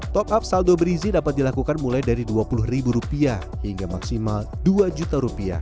top up saldo brizi dapat dilakukan mulai dari rp dua puluh hingga maksimal rp dua